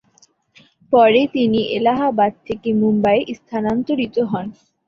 পরে তিনি এলাহাবাদ থেকে মুম্বাইয়ে স্থানান্তরিত হন।